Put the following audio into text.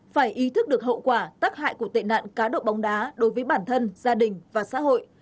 phải ý thức được hậu quả tắc hại của tệ nạn cá độ bóng đá đối với bản thân gia đình và xã hội